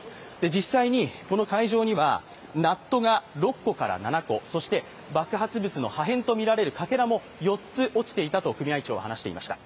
実際にこの会場には、ナットが６個から７個そして爆発物の破片とみられるかけらも４つ落ちていたと、組合長は話していました。